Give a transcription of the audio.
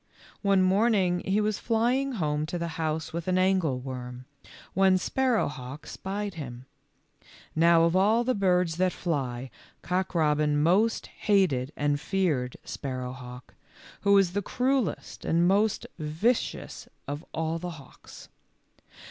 One morning he was flying home to the house with an angleworm, when Sparrowhawk spied him. Now of all the birds that fly, Cock robin most hated and feared Sparrowhawk, who is the cruellest and most vicious of all the hawks.